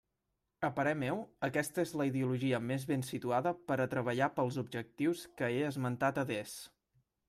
A parer meu, aquesta és la ideologia més ben situada per a treballar pels objectius que he esmentat adés.